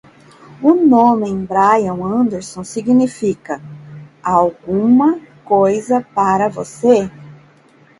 O nome Brian Anderson significa alguma coisa para você?